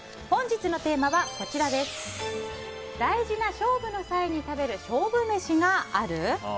本日のテーマは大事な勝負の際に食べる勝負飯がある？